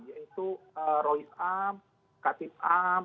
yaitu roy sam katip am